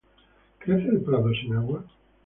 ¿Crece el prado sin agua?